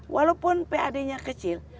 walaupun pad nya kecil